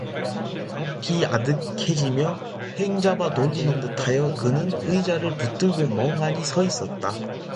앞이 아뜩해지며 횡 잡아 돌리는 듯하여 그는 의자를 붙들고 멍하니 서 있었다.